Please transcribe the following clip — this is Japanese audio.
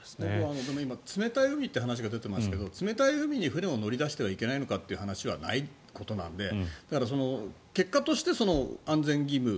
今冷たい海という話が出ていますけど冷たい海に船を乗り出してはいけないのかという話はないことなのでだから、結果として安全義務